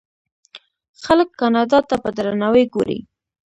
خلک کاناډا ته په درناوي ګوري.